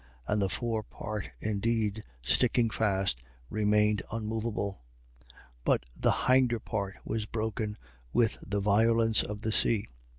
And the forepart indeed, sticking fast, remained unmoveable: but the hinder part was broken with the violence of the sea.